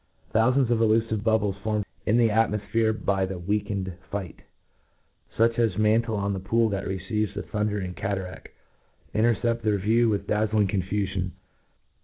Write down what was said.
— ^Thpufands of elufive bubble* formed in the atmofphere by the weakened fight* fiich as mantle on the pool that receives the dumdering cataraft, intercept their view with dtoriing confufion.